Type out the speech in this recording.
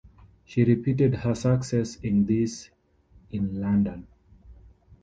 She repeated her success in this in London.